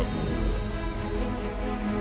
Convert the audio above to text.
aku tunggu jawabannya